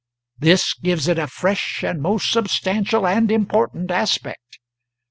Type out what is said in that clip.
This gives it a fresh and most substantial and important aspect.